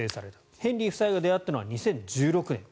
ヘンリー夫妻が出会ったのは２０１６年。